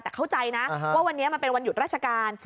แต่เข้าใจนะว่าวันนี้มันเป็นวันหยุดราชการ